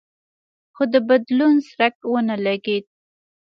خو د بدلون څرک ونه لګېد.